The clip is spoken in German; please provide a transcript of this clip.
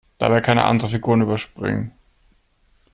Dabei kann er andere Figuren überspringen.